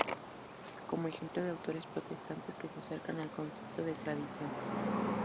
Como ejemplo de autores protestantes que se acercan al concepto de Tradición cfr.